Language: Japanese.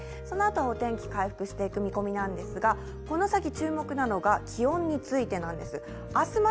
そのあとはお天気回復していく見込みなんですが、この先注目なのが気温についてなんです。明日